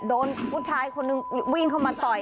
โดนผู้ชายคนหนึ่งวิ่งเข้ามาต่อย